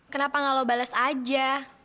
kenapa gak lo bales aja